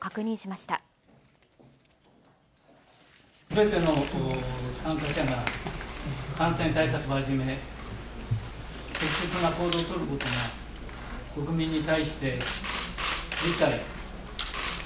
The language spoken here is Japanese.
すべての参加者が感染対策をはじめ、適切な行動を取ることが、国民に対して理解。